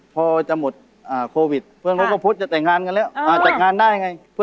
พอจะหมดโควิดพร่อนเขาก็พรุษจะแต่งงานกันแล้ว